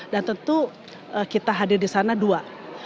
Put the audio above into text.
dan tentu kita hadir di sana dua